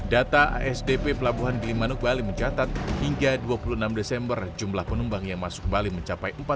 data asdp pelabuhan gilimanuk bali mencatat hingga dua puluh enam desember jumlah penumpang yang masuk ke bali mencapai empat ratus lima puluh tiga delapan ratus lima puluh sembilan penumpang